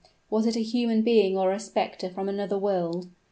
Was it a human being or a specter from another world?